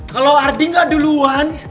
kalo ardi gak duluan